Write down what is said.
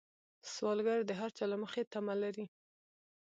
سوالګر د هر چا له مخې تمه لري